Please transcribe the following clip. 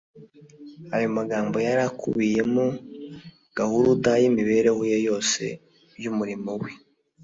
Aya magambo yari akubiyemo gahuruda y'imibereho ye yose y'umurimo we.